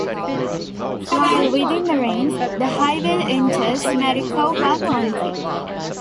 While within the range, the highway enters Maricopa County.